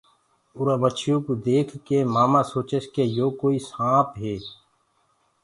اُرآ مڇيو ڪوُ ديک ڪي مآمآ سوچس ڪي يو ڪوئي سآنپ هي۔